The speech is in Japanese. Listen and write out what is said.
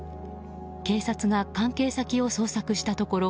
警察が関係先を捜索したところ